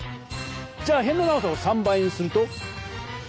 じゃあへんの長さを３倍にすると？